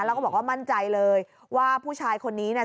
แล้วก็บอกว่ามั่นใจเลยว่าผู้ชายคนนี้เนี่ย